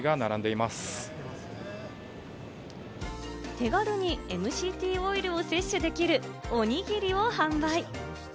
手軽にＭＣＴオイルを摂取できるおにぎりを販売。